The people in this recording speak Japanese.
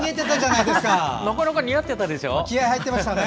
なかなか似合ってたでしょ。